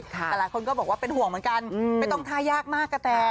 แต่หลายคนก็บอกว่าเป็นห่วงเหมือนกันไม่ต้องท่ายากมากกะแต